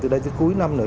từ đây tới cuối năm nữa